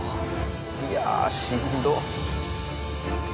いやしんどい。